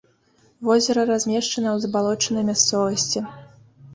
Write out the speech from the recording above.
Возера размешчана ў забалочанай мясцовасці.